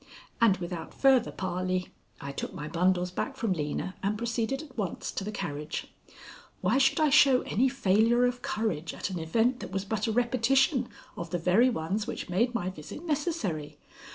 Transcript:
And without further parley, I took my bundles back from Lena, and proceeded at once to the carriage. Why should I show any failure of courage at an event that was but a repetition of the very ones which made my visit necessary?